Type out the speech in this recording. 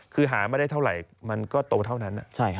คือหามาได้เท่าไหร่มันก็โตเท่านั้น